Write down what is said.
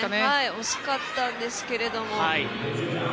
惜しかったんですけれども。